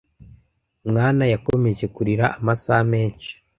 mwana yakomeje kurira amasaha menshi.